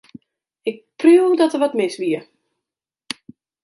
Ik preau dat der wat mis wie.